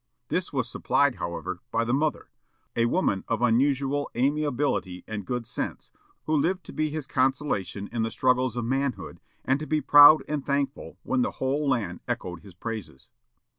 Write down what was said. This was supplied, however, by the mother, a woman of unusual amiability and good sense, who lived to be his consolation in the struggles of manhood, and to be proud and thankful when the whole land echoed his praises.